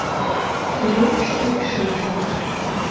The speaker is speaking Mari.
Уремыште шыже.